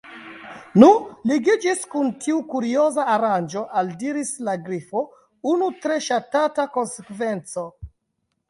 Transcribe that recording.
"Nu, ligiĝis kun tiu 'kurioza' aranĝo," aldiris la Grifo, "unu tre ŝatata konsekvenco. »